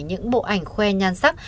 những bộ ảnh khoe nhan sắc